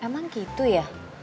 emang gitu ya